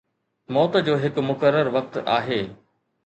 موت جو هڪ مقرر وقت آهي